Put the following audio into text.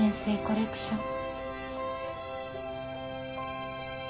コレクション。